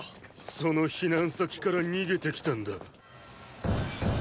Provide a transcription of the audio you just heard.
その避難先から逃げてきたんだ。